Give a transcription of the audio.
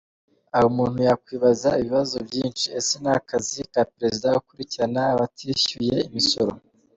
Aha umuntu yakwibaza ibibazo byinshi: ese ni akazi ka Perezida gukurikirana abatishyuye imisoro?